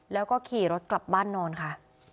แล้วก็ขี่รถกลับบ้านนอนค่ะ